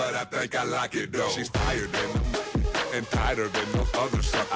สวัสดีครับคุณผู้ชม